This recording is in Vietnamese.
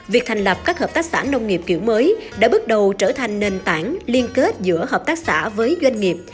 việc thành lập các hợp tác xã nông nghiệp kiểu mới đã bước đầu trở thành nền tảng liên kết giữa hợp tác xã với doanh nghiệp